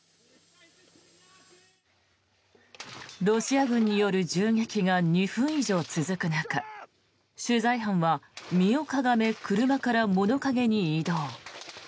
ロシア軍による銃撃が２分以上続く中取材班は身をかがめ、車から物陰に移動。